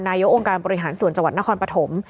นายกองค์การบริหารส่วนจังหวัดนครปฐม